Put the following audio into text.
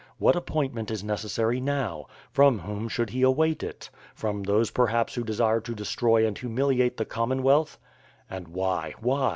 What appointment is necessary now? From whom should he await it? From those perhaps who desire to destroy and humiliate the Comon wealth. And why, why?